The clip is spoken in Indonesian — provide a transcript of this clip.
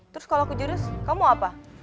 terus kalau aku jurus kamu apa